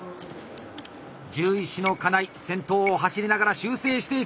獣医師の金井先頭を走りながら修正していく。